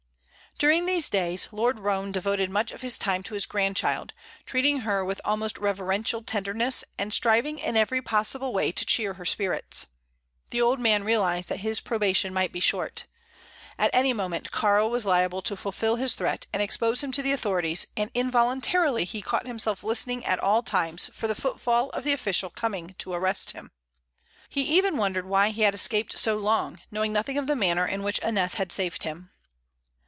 During these days Lord Roane devoted much of his time to his grandchild, treating her with almost reverential tenderness and striving in every possible way to cheer her spirits. The old man realized that his probation might be short. At any moment Kāra was liable to fulfil his threat and expose him to the authorities, and involuntarily he caught himself listening at all times for the footfall of the official coming to arrest him. He even wondered why he had escaped so long, knowing nothing of the manner in which Aneth had saved him.